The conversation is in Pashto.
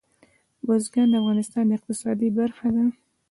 بزګان د افغانستان د اقتصاد برخه ده.